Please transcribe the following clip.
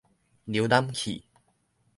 瀏覽器